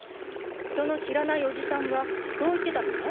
その知らないおじさんがそう言ってたのね？